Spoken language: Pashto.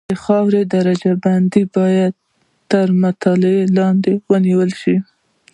د خاورې درجه بندي باید تر مطالعې لاندې ونیول شي